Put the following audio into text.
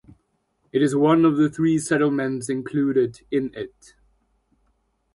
It is one of the three settlements included in it.